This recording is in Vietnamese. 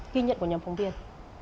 ghi nhận của nhóm phóng viên